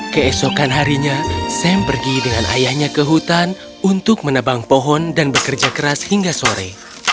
keesokan harinya sam pergi dengan ayahnya ke hutan untuk menebang pohon dan bekerja keras hingga sore